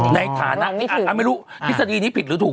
ในฐานะไม่รู้ทฤษฎีนี้ผิดหรือถูก